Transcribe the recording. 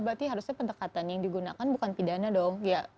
berarti harusnya pendekatan yang digunakan bukan pidana dong